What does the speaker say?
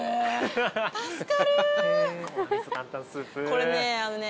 ・これねあのね。